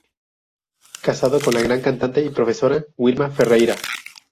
Casado con la gran cantante y profesora Wilma Ferreira.